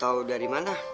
tahu dari mana